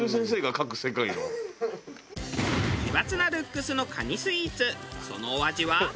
奇抜なルックスの蟹スイーツそのお味は？